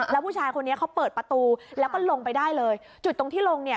แล้วผู้ชายคนนี้เขาเปิดประตูแล้วก็ลงไปได้เลยจุดตรงที่ลงเนี่ย